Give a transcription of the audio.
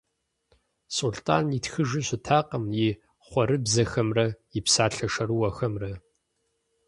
Сулътӏан итхыжу щытакъым и хъуэрыбзэхэмрэ и псалъэ шэрыуэхэмрэ.